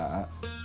tidak ada apa apa